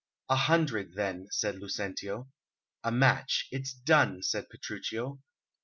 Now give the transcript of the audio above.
"A hundred, then," said Lucentio. "A match! It's done," said Petruchio.